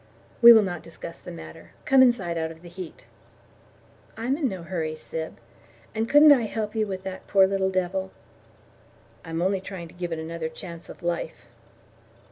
"We will not discuss the matter. Come inside out of the heat." "I'm in no hurry, Syb, and couldn't I help you with that poor little devil?" "I'm only trying to give it another chance of life."